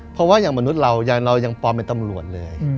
เพราะว่าอย่างมนุษย์เราเรายังปลอมเป็นตำรวจเลย